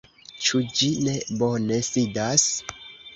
Ĉu ĝi ne bone sidas?